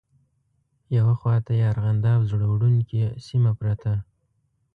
یوه خواته یې ارغنداب زړه وړونکې سیمه پرته.